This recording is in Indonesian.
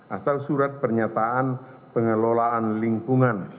atau surat pernyataan pengelolaan lingkungan